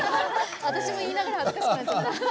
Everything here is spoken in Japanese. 私も言いながら恥ずかしくなっちゃった。